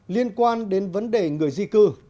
liên quan đến vấn đề người di cư